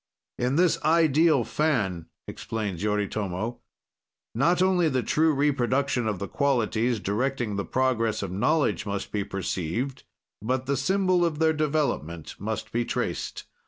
"In this ideal fan," explains Yoritomo, "not only the true reproduction of the qualities directing the progress of knowledge must be perceived, but the symbol of their development must be traced.